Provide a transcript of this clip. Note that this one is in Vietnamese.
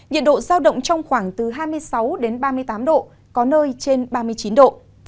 nhiệt độ giao động trong khoảng từ hai mươi sáu đến ba mươi tám độ có nơi trên ba mươi chín độ